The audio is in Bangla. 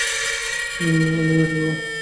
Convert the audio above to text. ইনি মেজো বোন।